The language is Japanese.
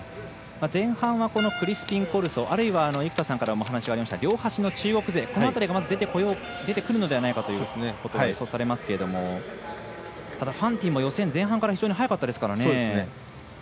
前半はクリスピンコルソあるいは、両端の中国勢この辺りがまず出てくるのではないかということが予想されますがファンティンも予選、前半は非常に速かったですからね。